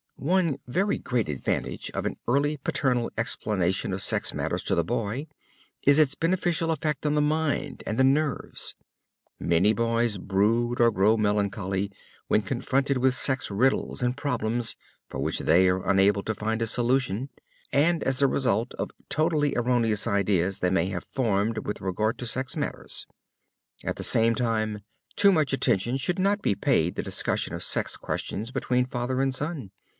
One very great advantage of an early paternal explanation of sex matters to the boy is its beneficial effect on the mind and the nerves. Many boys brood or grow melancholy when confronted with sex riddles and problems for which they are unable to find a solution; and as the result of totally erroneous ideas they may have formed with regard to sex matters. At the same time too much attention should not be paid the discussion of sex questions between father and son.